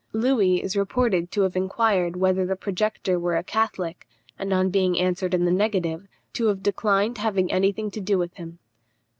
Louis is reported to have inquired whether the projector were a Catholic, and on being answered in the negative, to have declined having any thing to do with him.